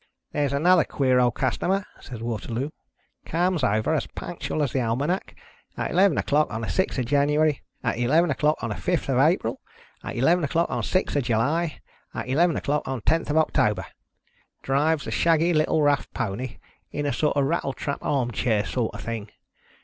" There's another queer old customer," said Waterloo, '• comes aver, as punctual as the almanack, at eleven o'clock on the sixth of January, at eleven o'clock on the fifth of April, at eleven o'clock on the sixth of July, at eleven o'clock on the tenth of October. Drives a shaggy little, rough poney, in a sort of a rattle trap arm chair sort of a thing.